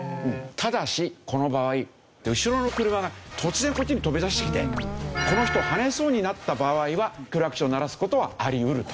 ただしこの場合後ろの車が突然こっちに飛び出してきてこの人をはねそうになった場合はクラクションを鳴らす事はあり得ると。